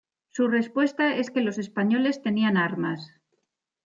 Su respuesta es que los españoles tenían armas.